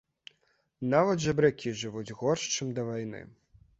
Нават жабракі жывуць горш, чым да вайны.